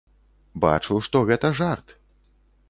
Бачу, што гэта жарт.